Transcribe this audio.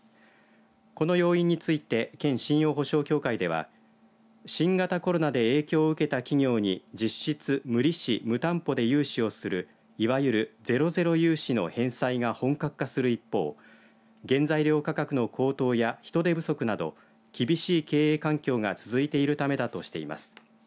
この要因について県信用保証協会では新型コロナで影響を受けた企業に実質無利子、無担保で融資をするいわゆるゼロゼロ融資の返済が本格化する一方原材料価格の高騰や人手不足など厳しい経営環境が続いているためだとしています。